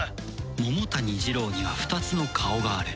桃谷ジロウには２つの顔がある